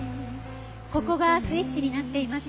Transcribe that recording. ここがスイッチになっていました。